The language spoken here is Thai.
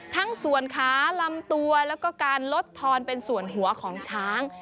ทั้งส่วนขาลำตัวแล้วก็การลดทอนเป็นส่วนหัวของช้าง